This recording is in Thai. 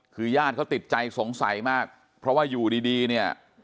คือญาติเขาติดใจสงสัยมากเพราะว่าอยู่ดีเนี่ย